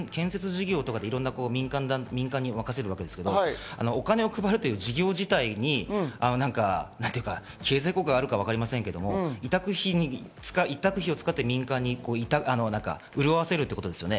皮肉を込めて言いますと、これまでだったら建設事業とかで、いろんな民間に任せるわけですけど、お金を配るという事業自体に経済効果があるかわかりませんけど委託費を使って民間を潤わせるってことですね。